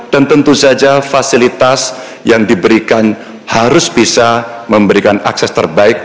dan tentu saja fasilitas yang diberikan harus bisa memberikan akses terbaik